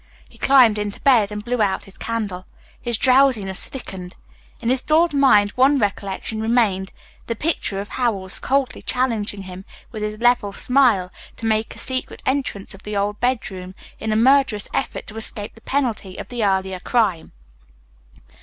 He climbed into bed and blew out his candle. His drowsiness thickened. In his dulled mind one recollection remained the picture of Howells coldly challenging him with his level smile to make a secret entrance of the old bedroom in a murderous effort to escape the penalty of the earlier crime.